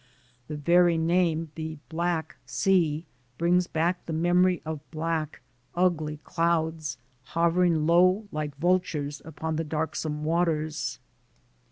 The very name "the Black Sea" brings back the memory of black, ugly clouds hovering low 58 THE SOUL OF AN IMMIGRANT like vultures upon the darksome waters.